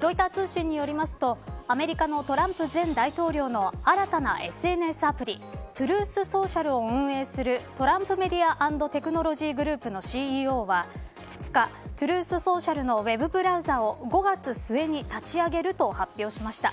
ロイター通信によりますとアメリカのトランプ前大統領の新たなＳＮＳアプリトゥルース・ソーシャルを運営するトランプ・メディア・アンド・テクノロジー・グループのＣＥＯは２日、トゥルース・ソーシャルのウェブブラウザを５月末に立ち上げると発表しました。